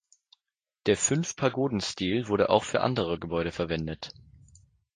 Der Fünf-Pagoden-Stil wurde auch für andere Gebäude verwendet.